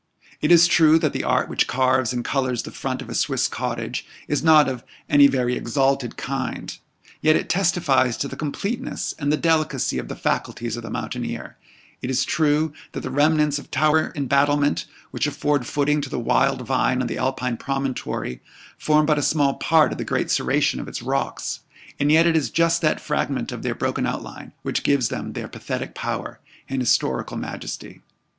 It is true that the art which carves and colours the front of a Swiss cottage is not of any very exalted kind; yet it testifies to the completeness and the delicacy of the faculties of the mountaineer; it is true that the remnants of tower and battlement, which afford footing to the wild vine on the Alpine promontory, form but a small part of the great serration of its rocks; and yet it is just that fragment of their broken outline which gives them their pathetic power, and historical majesty.